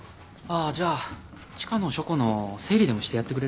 あじゃあ地下の書庫の整理でもしてやってくれる？